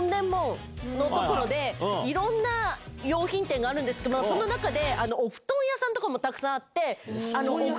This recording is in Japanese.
いろんな洋品店があるんですけどその中で。